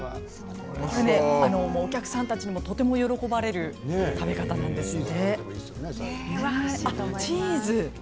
お客さんたちもとても喜ばれる食べ方なんですって。